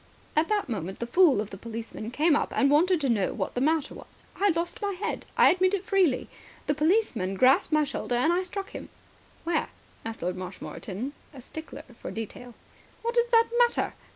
"At that moment the fool of a policeman came up and wanted to know what the matter was. I lost my head. I admit it freely. The policeman grasped my shoulder, and I struck him." "Where?" asked Lord Marshmoreton, a stickler for detail. "What does that matter?"